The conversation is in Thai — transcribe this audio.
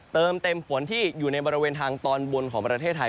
เติมเต็มฝนที่อยู่ในบริเวณทางตอนบนของประเทศไทย